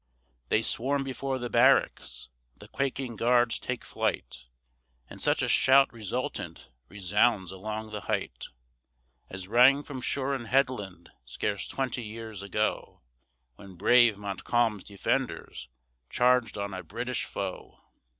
They swarm before the barracks the quaking guards take flight, And such a shout resultant resounds along the height, As rang from shore and headland scarce twenty years ago, When brave Montcalm's defenders charged on a British foe!